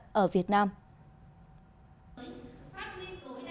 hội người mù việt nam phối hợp với chương trình phát triển liên hợp quốc undp